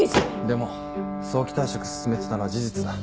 でも早期退職進めてたのは事実だ。